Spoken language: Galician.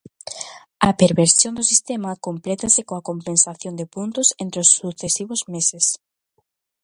A perversión do sistema complétase coa compensación de puntos entre os sucesivos meses.